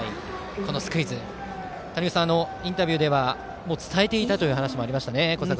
このスクイズ、インタビューでは伝えていたという話もありましたね。